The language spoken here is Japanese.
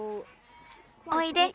おいで。